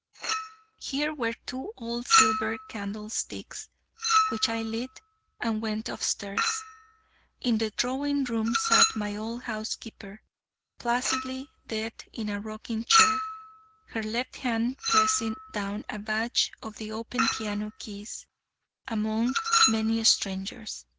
Here were two old silver candle sticks, which I lit, and went upstairs: in the drawing room sat my old house keeper, placidly dead in a rocking chair, her left hand pressing down a batch of the open piano keys, among many strangers.